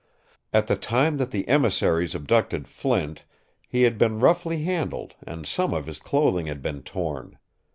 At the time that the emissaries abducted Flint he had been roughly handled and some of his clothing had been torn.